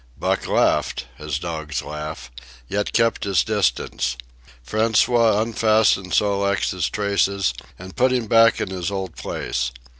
Buck laughed, as dogs laugh, yet kept his distance. François unfastened Sol leks's traces and put him back in his old place.